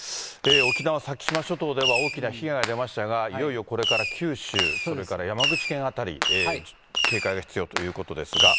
沖縄・先島諸島では大きな被害が出ましたが、いよいよこれから九州、それから山口県辺り、警戒が必要ということですが。